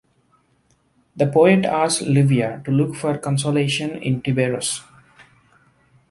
The poet asks Livia to look for consolation in Tiberius.